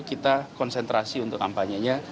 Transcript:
kita konsentrasi untuk kampanye nya